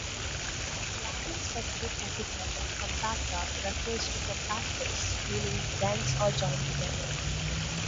The Latin specific epithet of "compacta" refers to "compactus" meaning dense or joined together.